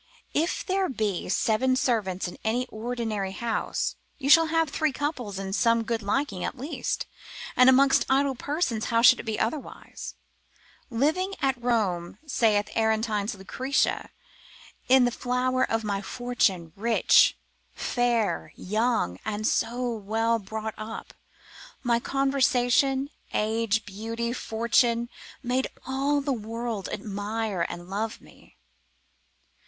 If there be seven servants in an ordinary house, you shall have three couple in some good liking at least, and amongst idle persons how should it be otherwise? Living at Rome, saith Aretine's Lucretia, in the flower of my fortunes, rich, fair, young, and so well brought up, my conversation, age, beauty, fortune, made all the world admire and love me.